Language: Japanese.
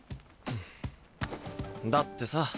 だってさ。